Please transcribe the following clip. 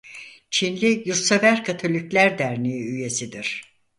Çinli Yurtsever Katolikler Derneği üyesidir.